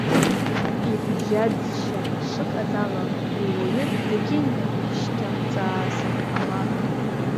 Ибжьаӡшьа шыҟаз ала, уи уаҩы дагьынаишьҭамҵаазар ҟалап.